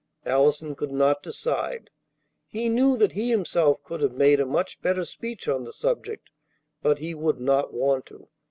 Allison could not decide. He knew that he himself could have made a much better speech on the subject, but he would not want to.